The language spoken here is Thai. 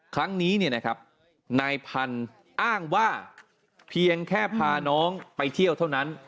ครั้งนี้นายพันธุ์อ้างว่าเพียงแค่พาน้องไปเที่ยวเท่านั้น